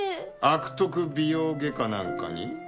悪徳美容外科なんかに？